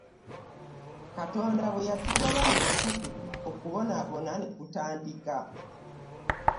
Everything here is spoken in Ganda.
Katonda bwe yatugoba mu lusuku okubonaabona ne kutandika.